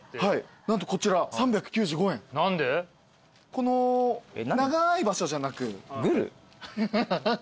この長い場所じゃなく。